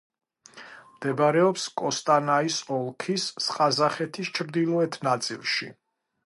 მდებარეობს კოსტანაის ოლქში ყაზახეთის ჩრდილოეთ ნაწილში.